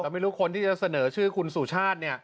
แต่ไม่รู้คนที่จะเสนอชื่อคุณสุชาติ